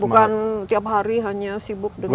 bukan tiap hari hanya sibuk dengan